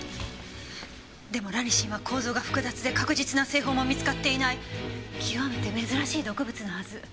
でもラニシンは構造が複雑で確実な製法も見つかっていない極めて珍しい毒物のはず。